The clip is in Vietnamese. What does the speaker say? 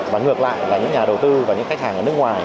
và ngược lại là những nhà đầu tư và những khách hàng ở nước ngoài